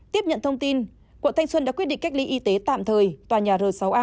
tiếp nhận thông tin quận thanh xuân đã quyết định cách ly y tế tạm thời tòa nhà r sáu a